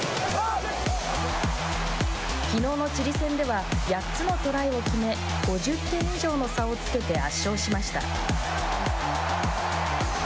きのうのチリ戦では８つのトライを決め５０点以上の差をつけて圧勝しました。